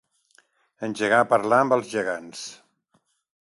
Engegar a parlar amb els gegants.